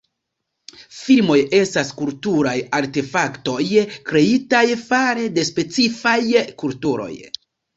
Filmoj estas kulturaj artefaktoj kreitaj fare de specifaj kulturoj.